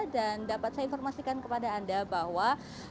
dan dapat saya informasikan kepada anda bahwa